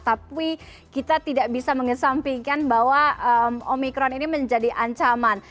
tapi kita tidak bisa mengesampingkan bahwa omikron ini menjadi ancaman